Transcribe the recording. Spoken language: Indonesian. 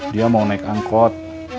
dia mau naik angkot